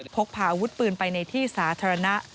พกพาอาวุธปืนไปในที่สาธารณะ